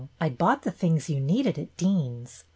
I bought the things you needed at Dean's.